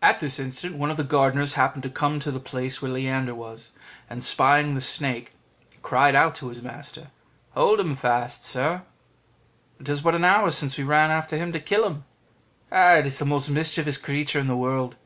At this instant one of the gardeners happened to come to the place where Leander was, and spying the snake, cried out to his master, "Hold him fast, sir; it is but an hour since we ran after him to kill him: it is the most mischievous creature in the world."